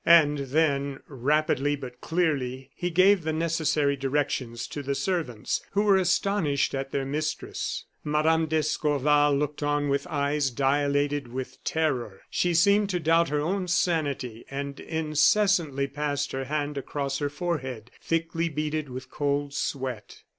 And then, rapidly but clearly, he gave the necessary directions to the servants, who were astonished at their mistress. Mme. d'Escorval looked on with eyes dilated with terror. She seemed to doubt her own sanity, and incessantly passed her hand across her forehead, thickly beaded with cold sweat.